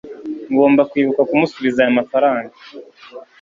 ngomba kwibuka kumusubiza aya mafaranga